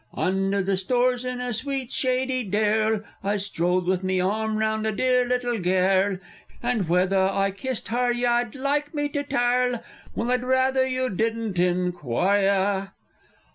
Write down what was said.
_ Undah the stors in a sweet shady dairl, I strolled with me awm round a deah little gairl, And whethaw I kissed har yaw'd like me to tairl Well, I'd rawthah you didn't inquiah!